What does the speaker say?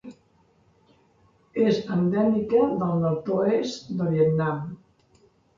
És endèmica del nord-oest del Vietnam.